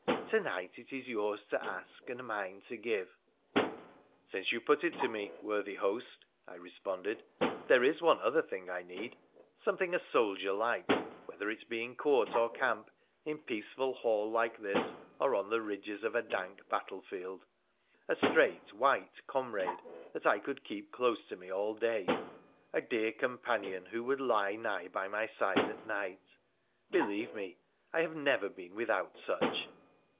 ' To night it is yours to ask, and mine to give.' ' Since you put it to me, worthy host,' I responded, ' there is one other thing I need — something a soldier likes, whether it be in court or camp, in peaceful hall like this or on the ridges of dank battle field — a straight, white comrade that I could keep close to me all day, a dear companion who would lie nigh by my side at night — believe me, I have never been without such.'